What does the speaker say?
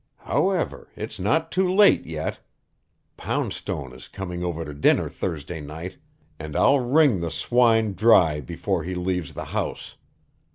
However, it's not too late yet. Poundstone is coming over to dinner Thursday night, and I'll wring the swine dry before he leaves the house.